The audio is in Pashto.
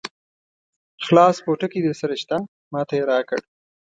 خلاص پوټکی درسره شته؟ ما ته یې راکړ.